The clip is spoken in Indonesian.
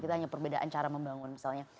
kita hanya perbedaan cara membangun misalnya